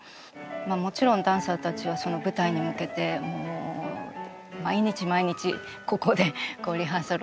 もちろんダンサーたちは舞台に向けて毎日毎日ここでリハーサルをして。